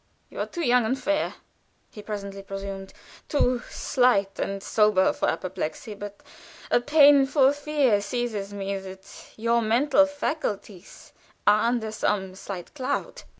"You are too young and fair," he presently resumed, "too slight and sober for apoplexy; but a painful fear seizes me that your mental faculties are under some slight cloud.